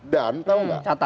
dan tahu enggak